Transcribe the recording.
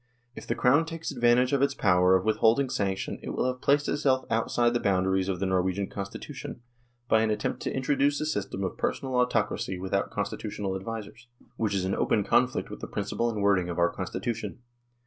If the Crown takes advantage of its power of withholding sanction it will have placed itself outside the bound aries of the Norwegian Constitution, by an attempt 94 NORWAY AND THE UNION WITH SWEDEN to introduce a system of personal autocracy without constitutional advisers, which is in open conflict with the principle and wording of our Constitution.